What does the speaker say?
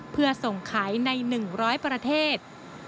เพื่อส่งขายใน๑๐๐ประเทศ